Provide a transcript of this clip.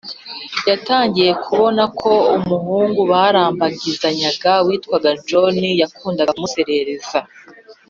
Yatangiye kubona ko umuhungu barambagizanyaga witwaga john yakundaga kumuserereza